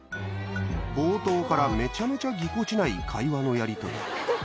冒頭からめちゃめちゃぎこちない会話のやりとり。